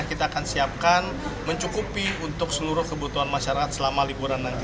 kita akan siapkan mencukupi untuk seluruh kebutuhan masyarakat selama liburan nanti